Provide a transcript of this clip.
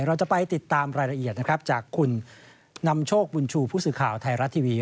เราจะไปติดตามรายละเอียดนะครับจากคุณนำโชคบุญชูผู้สื่อข่าวไทยรัฐทีวี